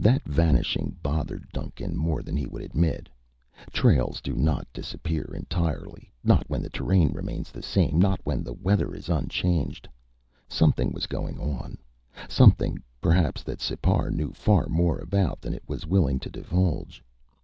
That vanishing bothered Duncan more than he would admit. Trails do not disappear entirely, not when the terrain remains the same, not when the weather is unchanged. Something was going on, something, perhaps, that Sipar knew far more about than it was willing to divulge.